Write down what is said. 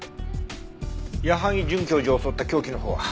矢萩准教授を襲った凶器のほうは？